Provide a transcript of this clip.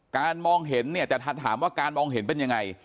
การมองเห็นเนี่ยจะถามว่าการมองเห็นเป็นยังไง